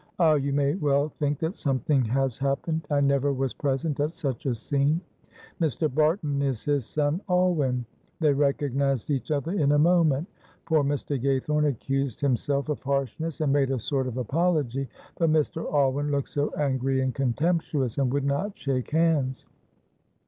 Ah, you may well think that something has happened. I never was present at such a scene. Mr. Barton is his son Alwyn. They recognised each other in a moment. Poor Mr. Gaythorne accused himself of harshness and made a sort of apology, but Mr. Alwyn looked so angry and contemptuous, and would not shake hands.